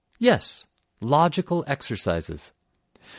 Yes, logical exercises.